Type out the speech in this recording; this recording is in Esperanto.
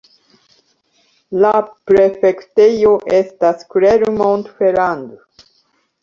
La prefektejo estas Clermont-Ferrand.